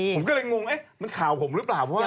ผมก็เลยงงเอ๊ะมันข่าวผมหรือเปล่าเพราะว่า